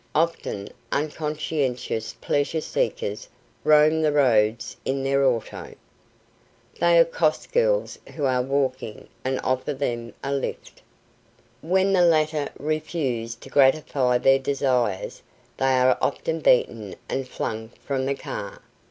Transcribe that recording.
Often, unconscientious pleasure seekers roam the roads in their auto. They accost girls who are walking and offer them a "lift." When the latter refuse to gratify their desires they are often beaten and flung from the car.